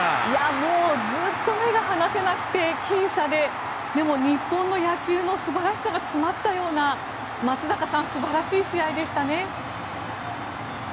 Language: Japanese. もうずっと目が離せなくてきん差ででも日本の野球の素晴らしさが詰まったような松坂さん素晴らしい試合でしたね。